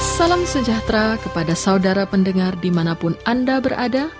salam sejahtera kepada saudara pendengar dimanapun anda berada